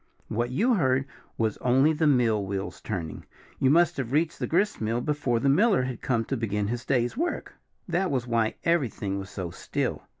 "What you heard was only the mill wheels turning. You must have reached the gristmill before the miller had come to begin his day's work. That was why everything was so still.